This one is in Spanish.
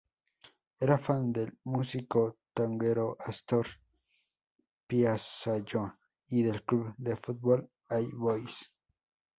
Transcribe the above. Era fan del músico tanguero Ástor Piazzolla y del club de fútbol All Boys.